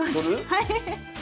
はい。